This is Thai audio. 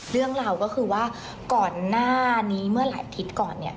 เรื่องราวก็คือว่าก่อนหน้านี้เมื่อหลายอาทิตย์ก่อนเนี่ย